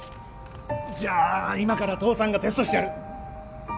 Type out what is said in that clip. じゃあ今から父さんがテストしてやる